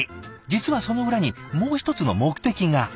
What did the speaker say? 実はその裏にもう一つの目的が。